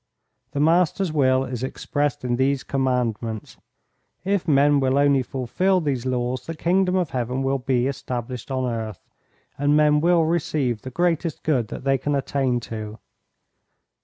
The Master's will is expressed in these commandments. If men will only fulfil these laws, the Kingdom of Heaven will be established on earth, and men will receive the greatest good that they can attain to.